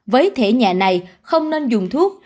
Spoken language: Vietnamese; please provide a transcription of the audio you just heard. với thể nhẹ này không nên dùng thuốc